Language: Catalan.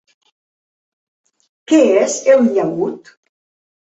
Què és el llaüt?